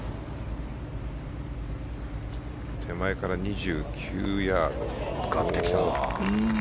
手前から２９ヤード。